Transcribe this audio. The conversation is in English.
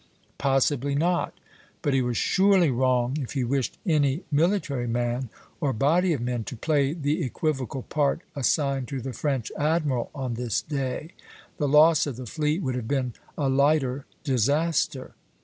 " Possibly not; but he was surely wrong if he wished any military man, or body of men, to play the equivocal part assigned to the French admiral on this day; the loss of the fleet would have been a lighter disaster.